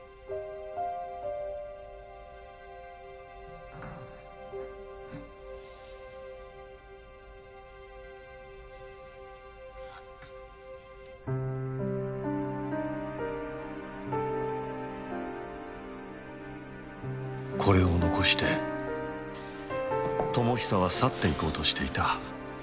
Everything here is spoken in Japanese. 心の声これを残して智久は去っていこうとしていた。